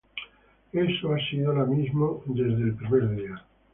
Eso ha sido lo mismo desde el primer día.